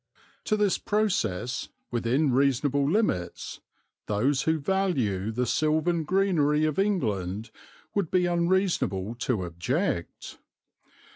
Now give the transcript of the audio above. To this process, within reasonable limits, those who value the silvan greenery of England would be unreasonable to object.